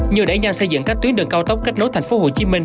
như đẩy nhanh xây dựng các tuyến đường cao tốc kết nối thành phố hồ chí minh